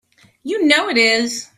You know it is!